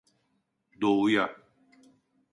Doğuya.